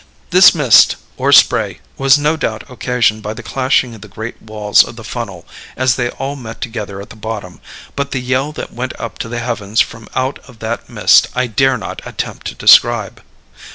"This mist, or spray, was no doubt occasioned by the clashing of the great walls of the funnel, as they all met together at the bottom, but the yell that went up to the heavens from out of that mist I dare not attempt to describe.